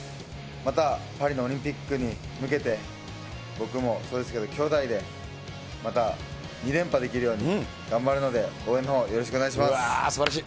またパリのオリンピックに向けて、僕もそうですけど、兄妹でまた２連覇できるように頑張るので、応援のほう、うわー、すばらしい。